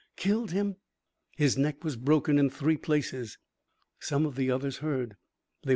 "Killed him?" "His neck was broken in three places." Some of the others heard.